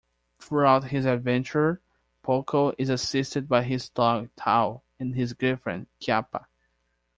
Throughout his adventure, Pockle is assisted by his dog Tao and his girlfriend Kyappa.